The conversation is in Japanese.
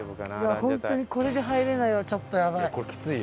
本当にこれで入れないはちょっとやばい。